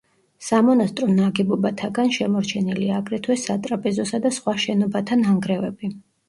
სამონასტრო ნაგებობათაგან შემორჩენილია აგრეთვე სატრაპეზოსა და სხვა შენობათა ნანგრევები.